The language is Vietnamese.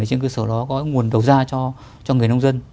trên cơ sở đó có nguồn đầu ra cho người nông dân